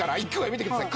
見てください。